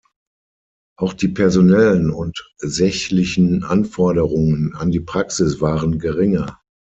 Auch die personellen und sächlichen Anforderungen an die Praxis waren geringer.